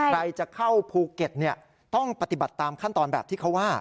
ใครจะเข้าภูเก็ตต้องปฏิบัติตามขั้นตอนแบบที่เขาว่า